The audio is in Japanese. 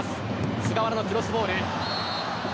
菅原のクロスボール。